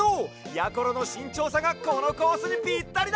やころのしんちょうさがこのコースにピッタリだ！